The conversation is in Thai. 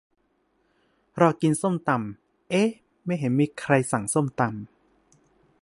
รอกินส้มตำ เอ๊ะ ไม่เห็นมีใครสั่งส้มตำ